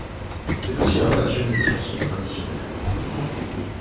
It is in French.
C’était aussi un passionné de chansons traditionnelles.